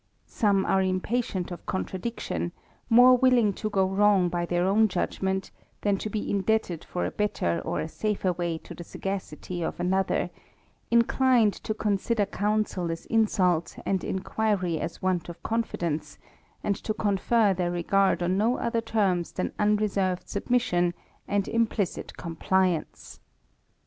Some are impatient of contradiction, more willing to go wrong by their own judg ment, than to be indebted for a better or a safer way to the sagacity of ajiother, inclined to consider counsel as insult, and inquiry as want of confidence, and to confer their regard on no other terms than unreserved submission, and implicit comphance.